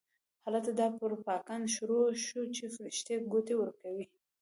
هلته دا پروپاګند شروع شو چې فرښتې ګوتې ورکوي.